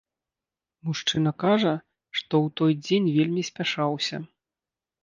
Мужчына кажа, што ў той дзень вельмі спяшаўся.